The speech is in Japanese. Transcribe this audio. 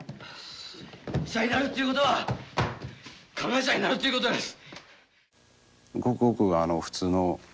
医者になるっちゅうことは加害者になるということです。